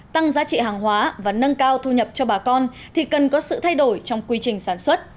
tăng giá trị hàng hóa và nâng cao thu nhập cho bà con thì cần có sự thay đổi trong quy trình sản xuất